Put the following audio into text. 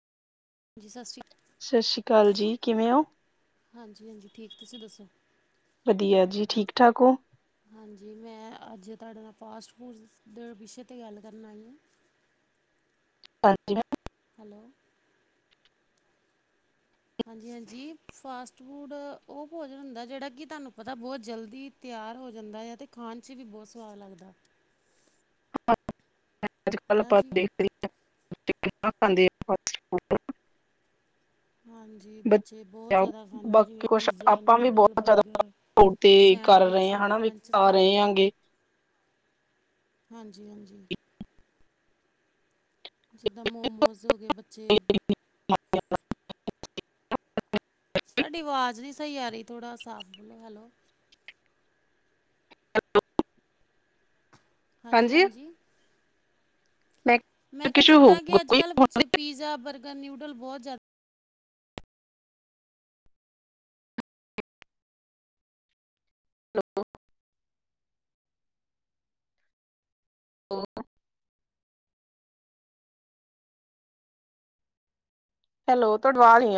ਜੀ ਸਤਿ ਸ਼੍ਰੀ ਸਤਿ ਸ਼੍ਰੀ ਅਕਾਲ ਜੀ, ਕਿਵੇਂ ਓ? ਹਾਂਜੀ-ਹਾਂਜੀ, ਠੀਕ ਤੁਸੀਂ ਦੱਸੋ? ਵਧੀਆ ਜੀ ਠੀਕ ਠਾਕ ਓ? ਹਾਂਜੀ, ਮੈਂ ਅੱਜ ਤੁਹਾਡੇ ਨਾਲ ਫਾਸਟ-ਫੂਡ ਦੇ ਵਿਸ਼ੇ'ਤੇ ਗੱਲ ਕਰਨ ਆਈ ਆ। ਹਾਂਜੀ ਮੈ ਹੈਲੋ। ਹਾਂਜੀ-ਹਾਂਜੀ, ਫਾਸਟ-ਫੂਡ ਉਹ ਭੋਜਨ ਹੁੰਦਾ ਜਿਹੜਾ ਕਿ ਤੁਹਾਨੂੰ ਪਤਾ ਬਹੁਤ ਜਲਦੀ ਤਿਆਰ ਹੋ ਜਾਂਦਾ ਆ ਅਤੇ ਖਾਣ 'ਚ ਵੀ ਬਹੁਤ ਸਵਾਦ ਲੱਗਦਾ। ਹੈ ਅੱਜ-ਕੱਲ ਨਾ ਆਪਾਂ ਜੀ ਦੇਖਦੇ ਆ ਕਿਨਾਂ ਖਾਂਦੇ ਆ ਫਾਸਟ ਫੂਡ। ਹਾਂਜੀ, ਬੱਚੇ ਬਹੁਤ ਆ, ਜ਼ਿਆਦਾ ਖਾਂਦੇ ਬਾਕੀ ਜਿਵੇਂ ਪੀਜ਼ਾ, ਨਿਊਡਲ, ਬਰਗਰ। ਉਹ ਤੇ ਘਰ ਲਿਆਣਾ ਵੀ ਖਾ ਰਹੇ ਅੱਗੇ। ਹਾਂਜੀ-ਹਾਂਜੀ‌। ਜਿੱਦਾਂ ਮੋਮੋਸ ਹੋ ਗਏ ਬੱਚੇ [inaudible] ਤੁਹਾਡੀ ਆਵਾਜ਼ ਨੀ ਸਈ ਆ ਰਹੀ ਥੋੜਾ ਸਾਫ਼ ਬੋਲੋ, ਹੈਲੋ। ਹਾਂਜੀ ਹਾਂਜੀ-ਹਾਂਜੀ। ਮੈਂ ਮੈਂ ਕਿਹਾ ਕਿਸ਼ੂ ਜਿੱਦਾਂ ਹੋਊਗਾ ਕਿ ਕੋਈ ਅੱਜ-ਕੱਲ੍ਹ ਬੱਚੇ ਪੀਜ਼ਾ, ਬਰਗਰ, ਨਿਊਡਲ ਬਹੁਤ ਜ਼ਿਆਦਾ ਔ [unintelligible] ਹੈਲੋ ਤੁਡਵਾ ਅਵਾਜ ਨੀ